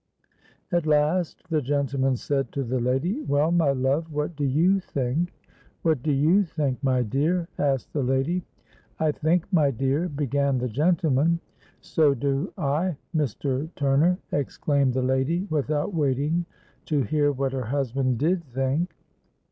At last the gentleman said to the lady, 'Well, my love, what do you think?'—'What do you think, my dear?' asked the lady.—'I think, my dear——' began the gentleman.—'So do I, Mr. Turner,' exclaimed the lady, without waiting to hear what her husband did think.